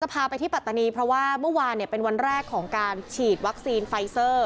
พาไปที่ปัตตานีเพราะว่าเมื่อวานเป็นวันแรกของการฉีดวัคซีนไฟเซอร์